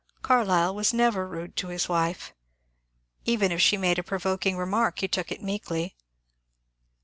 Carlyle was never rude to his wife. Even if she made a provoking remark he took it meekly.